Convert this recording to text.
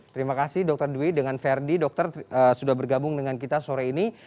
terima kasih dokter dwi dengan verdi dokter sudah bergabung dengan kita sore ini